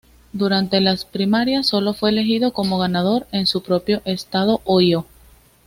Durante las primarias solo fue elegido como ganador en su propio estado Ohio.